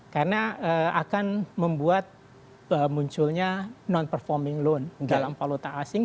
karena akan membuat munculnya non performing loan dalam paluta asing